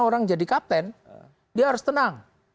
orang jadi kapten dia harus tenang